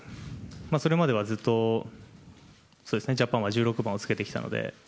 それまではずっとジャパンは１６番を着けてきたので。